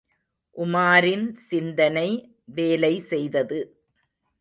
உமாரின் சிந்தனை வேலை செய்தது.